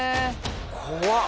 怖っ！